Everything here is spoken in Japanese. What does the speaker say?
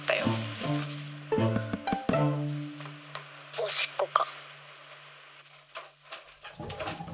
おしっこか？